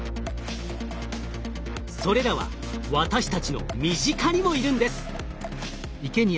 それらは私たちの身近にもいるんです。